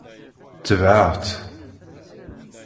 Tebɛeɣ-tt.